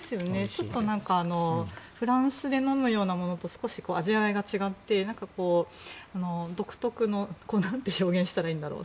ちょっとフランスで飲むようなものと味わいが違って何か独特の。なんて表現したらいいんだろう。